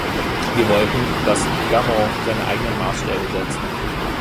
Wir wollten, dass „Gummo“ seine eigenen Maßstäbe setzt.